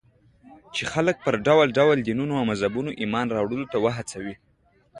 چې خلک پر ډول ډول دينونو او مذهبونو ايمان راوړلو ته وهڅوي.